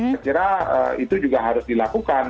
kira kira itu juga harus dilakukan